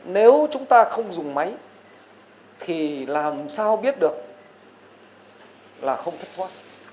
nếu chúng ta không dùng máy thì làm sao biết được là không thích hoa